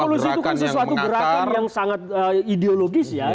solusi itu kan sesuatu gerakan yang sangat ideologis ya